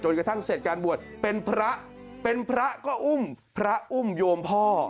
กระทั่งเสร็จการบวชเป็นพระเป็นพระก็อุ้มพระอุ้มโยมพ่อ